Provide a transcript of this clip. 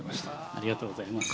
ありがとうございます。